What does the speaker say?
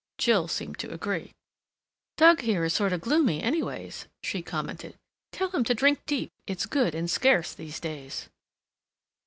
Jill seemed to agree. "Doug here is sorta gloomy anyways," she commented. "Tell him to drink deep—it's good and scarce these days."